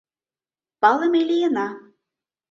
Палыме лийна.